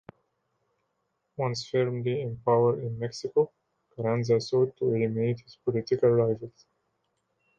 Once firmly in power in Mexico, Carranza sought to eliminate his political rivals.